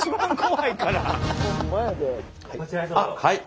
はい。